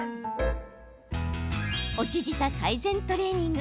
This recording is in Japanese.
落ち舌改善トレーニング